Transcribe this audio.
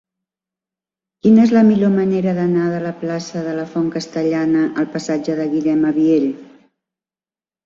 Quina és la millor manera d'anar de la plaça de la Font Castellana al passatge de Guillem Abiell?